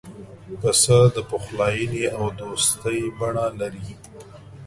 پسه د پخلاینې او دوستی بڼه لري.